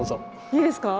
いいですか？